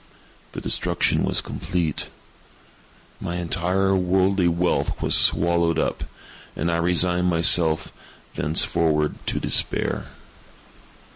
The destruction was complete. My entire worldly wealth was swallowed up, and I resigned myself thenceforward to despair.